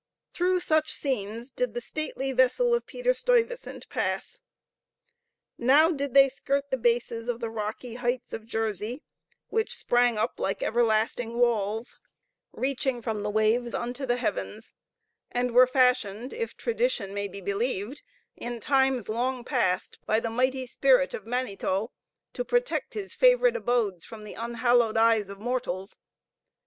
Through such scenes did the stately vessel of Peter Stuyvesant pass. Now did they skirt the bases of the rocky heights of Jersey, which sprang up like everlasting walls, reaching from the waves unto the heavens, and were fashioned, if tradition may be believed, in times long past, by the mighty spirit of Manetho, to protect his favorite abodes from the unhallowed eyes of mortals.